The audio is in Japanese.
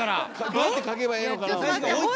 どうやって描けばええのかな思て。